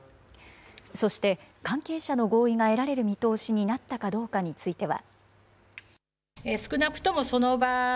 そして、関係者の合意が得られる見通しになったかどうかについては。